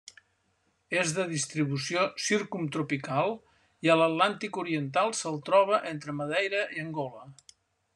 És de distribució circumtropical, i a l'Atlàntic oriental se'l troba entre Madeira i Angola.